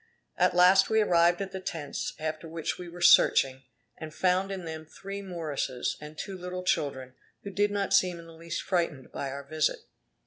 At last we arrived at the tents after which we were searching, and found in them three Mooresses and two little children, who did not seem in the least frightened by our visit.